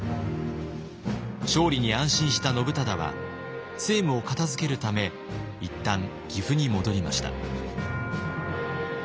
勝利に安心した信忠は政務を片づけるため一旦岐阜に戻りました。